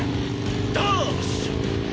ダーッシュ！